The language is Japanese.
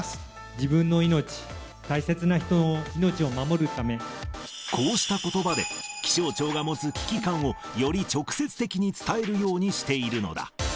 自分の命、大切な人の命を守こうしたことばで、気象庁が持つ危機感を、より直接的に伝えるようにしているのだ。